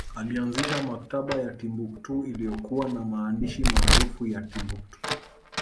Alianzisha maktaba ya Timbuktu iliyokuwa na maandishi maarufu ya Timbuktu